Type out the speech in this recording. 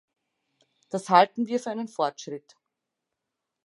Das halten wir für einen Fortschritt.